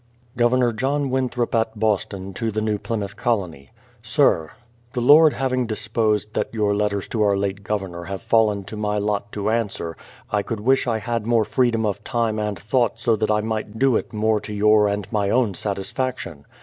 Governor John Winthrop at Boston to the New Plymouth Colony: Sir, The Lord having so disposed that your letters to our late Gov ernor have fallen to my lot to answer, I could wish I had more 283 284 BRADFORD'S HISTORY OF freedom of time and thought so that I might do it more to j'our and my own satisfaction.